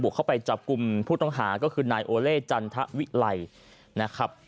เข้าไปจับกลุ่มผู้ต้องหาก็คือนายโอเล่จันทวิไลนะครับ